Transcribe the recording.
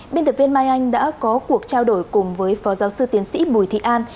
biên tập viên mai anh đã có cuộc trao đổi cùng với phó giáo sư tiến sĩ bùi thị an